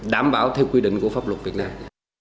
đảm bảo theo quy định của pháp luật việt nam